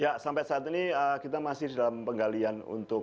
ya sampai saat ini kita masih dalam penggalian untuk